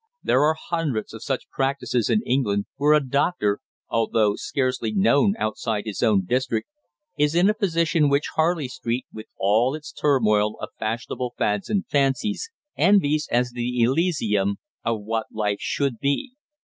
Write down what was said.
There are hundreds of such practices in England, where a doctor, although scarcely known outside his own district, is in a position which Harley Street, with all its turmoil of fashionable fads and fancies, envies as the elysium of what life should be.